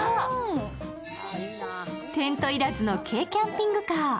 テント要らずの軽キャンピングカー。